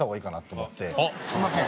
すみません。